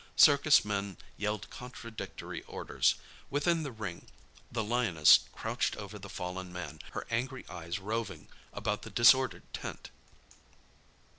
Circus men yelled contradictory orders. Within the ring the lioness crouched over the fallen man, her angry eyes roving about the disordered tent.